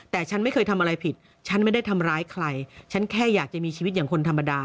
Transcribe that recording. แต่ฉันไม่เคยทำอะไรผิดฉันไม่ได้ทำร้ายใครฉันแค่อยากจะมีชีวิตอย่างคนธรรมดา